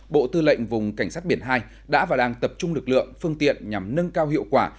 bộ tư lệnh vùng cảnh sát biển hai đã và đang tập trung lực lượng phương tiện nhằm nâng cao hiệu quả